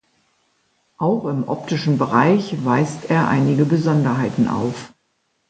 Auch im optischen Bereich weist er einige Besonderheiten auf.